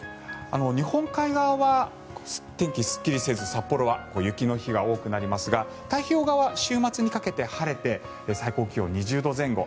日本海側は天気すっきりせず札幌は雪の日が多くなりますが太平洋側、週末にかけて晴れて最高気温２０度前後。